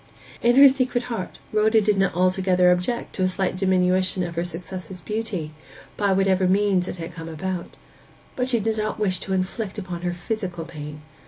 In her secret heart Rhoda did not altogether object to a slight diminution of her successor's beauty, by whatever means it had come about; but she did not wish to inflict upon her physical pain.